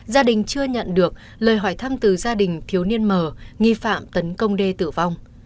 gia đình chưa nhận được lời hỏi thăm từ gia đình thiếu niên mờ nghi phạm tấn công đê tử vong